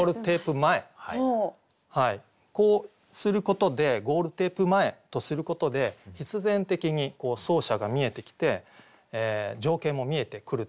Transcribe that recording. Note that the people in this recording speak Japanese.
こうすることで「ゴールテープ前」とすることで必然的に走者が見えてきて情景も見えてくると思いますね。